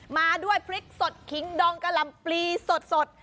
มาด้วยพริกสดขิงดองกะหล่ำปลีสด